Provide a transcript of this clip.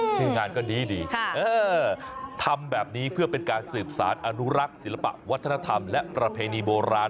ชื่องานก็ดีทำแบบนี้เพื่อเป็นการสืบสารอนุรักษ์ศิลปะวัฒนธรรมและประเพณีโบราณ